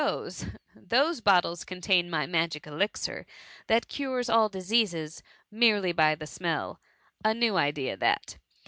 Those bottles contain my magic elixir, that cures all diseases merely by the smell :— a new idea that.